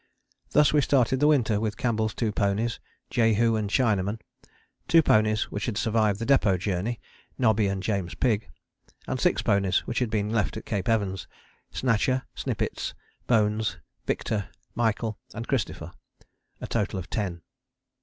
Thus we started the winter with Campbell's two ponies (Jehu and Chinaman), two ponies which had survived the Depôt Journey (Nobby and James Pigg), and six ponies which had been left at Cape Evans (Snatcher, Snippets, Bones, Victor, Michael and Christopher) a total of ten.